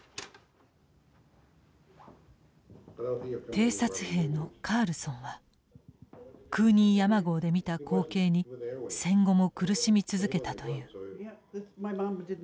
偵察兵のカールソンはクーニー山壕で見た光景に戦後も苦しみ続けたという。